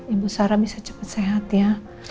ibu sarah bisa cepat sehat ya